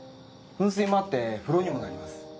噴水もあって風呂にもなります